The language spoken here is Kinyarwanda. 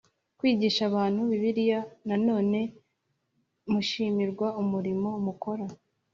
kwigisha abantu bibiliya na none mushimirwa umurimo mukora